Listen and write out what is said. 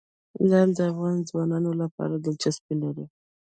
لعل د افغان ځوانانو لپاره دلچسپي لري.